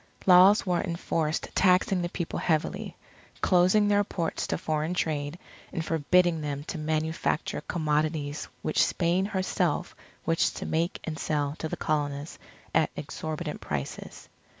Laws were enforced taxing the People heavily, closing their ports to foreign trade, and forbidding them to manufacture commodities which Spain herself wished to make and sell to the Colonists at exorbitant prices.